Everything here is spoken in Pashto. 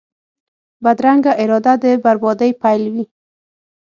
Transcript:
بدرنګه اراده د بربادۍ پیل وي